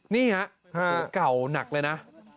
นี่ครับเก่านักเลยนะ